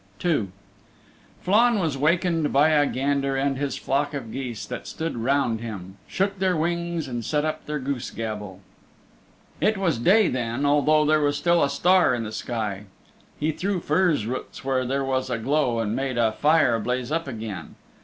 II Flann was wakened by a gander and his flock of geese that stood round him; shook their wings and set up their goose gabble. It was day then, although there was still a star in the sky. He threw furze roots where there was a glow, and made a fire blaze up again.